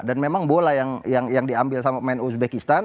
dan memang bola yang diambil sama pemain uzbekistan